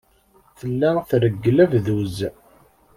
Tella treggel abduz.